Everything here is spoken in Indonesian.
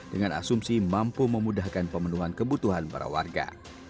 dengan asumsi mampu memudahkan pemenuhan kebutuhan para warga